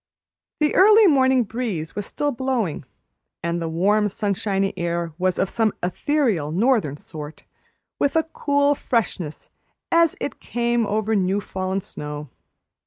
The early morning breeze was still blowing, and the warm, sunshiny air was of some ethereal northern sort, with a cool freshness as it came over new fallen snow.